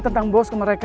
tentang bos ke mereka